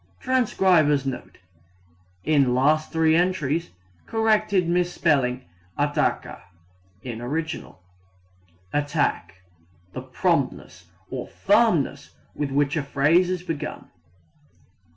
[Transcriber's Note: In last 3 entries, corrected misspelling "attaca" in original.] Attack the promptness or firmness with which a phrase is begun.